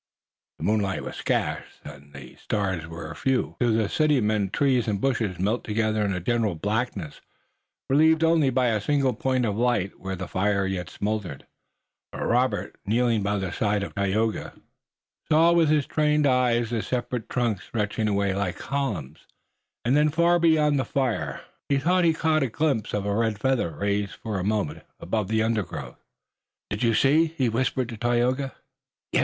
The moonlight was scant and the stars were few. To the city men trees and bushes melted together in a general blackness, relieved only by a single point of light where the fire yet smoldered, but Robert, kneeling by the side of Tayoga, saw with his trained eyes the separate trunks stretching away like columns, and then far beyond the fire he thought he caught a glimpse of a red feather raised for a moment above the undergrowth. "Did you see!" he whispered to Tayoga. "Yes.